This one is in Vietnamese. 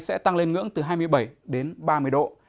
sẽ tăng lên ngưỡng từ hai mươi bảy đến ba mươi độ